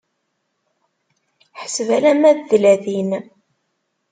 Ḥseb alamma d tlatin.